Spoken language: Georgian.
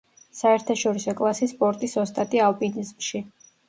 საერთაშორისო კლასის სპორტის ოსტატი ალპინიზმში.